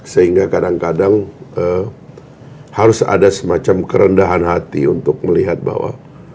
sehingga kadang kadang harus ada semacam kerendahan hati untuk melihat bahwa